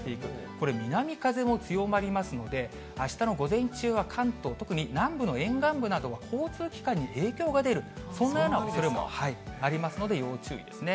これ、南風も強まりますので、あしたの午前中は関東、特に南部の沿岸部などは交通機関に影響が出る、そんなようなおそれもありますので、要注意ですね。